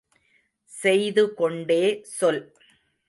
செய்து கொண்டே சொல்!